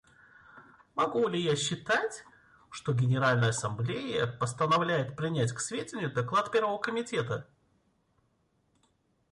Могу ли я считать, что Генеральная Ассамблея постановляет принять к сведению доклад Первого комитета?